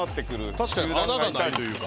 確かに穴がないというか。